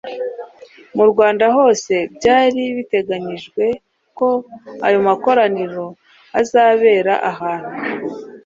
mu rwanda hose, byari biteganyijwe ko ayo makoraniro azabera ahantu